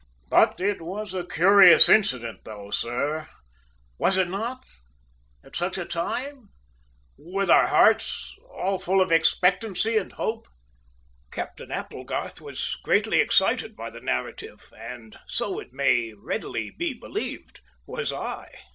"But it was a curious incident, though, sir, was it not, at such a time, with our hearts all full of expectancy and hope?" Captain Applegarth was greatly excited by the narrative, and so, it may readily be believed, was I.